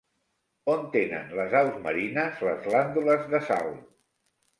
On tenen les aus marines les glàndules de sal?